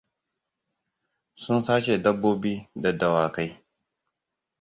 Sun sace dabbobi da dawakai.